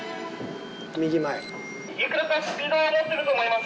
右前いくらかスピードが出てると思います